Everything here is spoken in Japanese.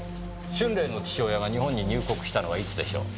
春麗の父親が日本に入国したのはいつでしょう？